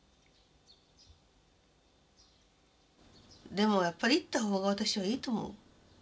でもやっぱり行った方が私はいいと思う。